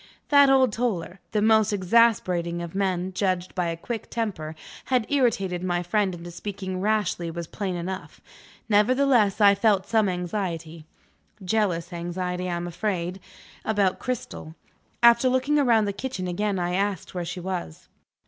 That old Toller the most exasperating of men, judged by a quick temper had irritated my friend into speaking rashly was plain enough. Nevertheless, I felt some anxiety (jealous anxiety, I am afraid) about Cristel. After looking round the kitchen again, I asked where she was.